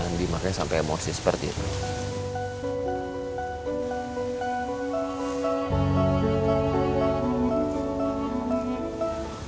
andi makanya sampai emosi seperti itu